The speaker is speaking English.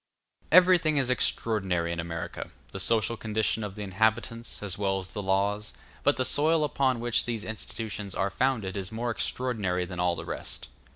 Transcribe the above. Everything is extraordinary in America, the social condition of the inhabitants, as well as the laws; but the soil upon which these institutions are founded is more extraordinary than all the rest.